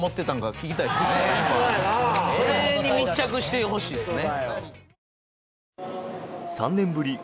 それに密着してほしいですね。